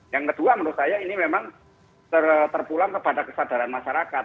yang kedua menurut saya ini memang terpulang kepada kesadaran masyarakat